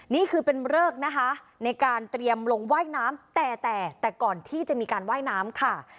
นี่คือเป็นเริกนะคะในการเตรียมลงว่ายน้ำแต่แต่ก่อนที่จะมีการว่ายน้ำค่ะ